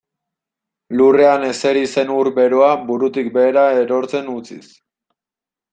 Lurrean ezeri zen ur beroa burutik behera erortzen utziz.